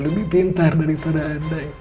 lebih pintar daripada anda yang